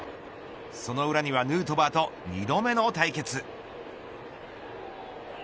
その裏にはヌートバーと２度目の対決。